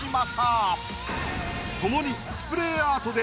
スプレーアートで。